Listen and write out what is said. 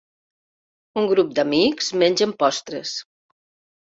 Un grup d'amics mengen postres.